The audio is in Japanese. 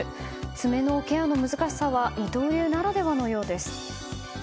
爪のケアの難しさは二刀流ならではのようです。